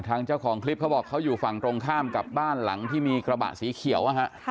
เจ้าของคลิปเขาบอกเขาอยู่ฝั่งตรงข้ามกับบ้านหลังที่มีกระบะสีเขียว